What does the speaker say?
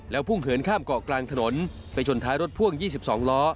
พุ่งเหินข้ามเกาะกลางถนนไปชนท้ายรถพ่วง๒๒ล้อ